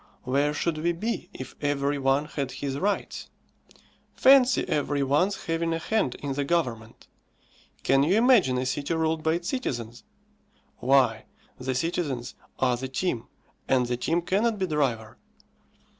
Where should we be if every one had his rights? Fancy every one's having a hand in the government? Can you imagine a city ruled by its citizens? Why, the citizens are the team, and the team cannot be driver.